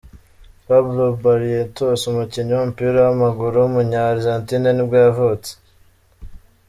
Pablo Barrientos, umukinnyi w’umupira w’amaguru w’umunya Argentine nibwo yavutse.